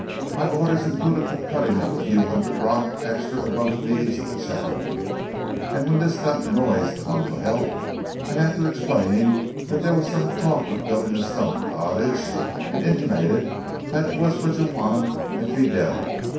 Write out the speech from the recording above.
My orders included the cutting of a few hundred rock extra above the needs of the chapel, and when this got noised among the help, I had to explain that there was some talk of building a stone cottage, and intimated that it was for Juana and Fidel.